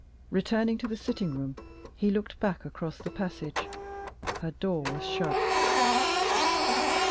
Returning to the sitting room, he looked back across the passage. Her door was shut.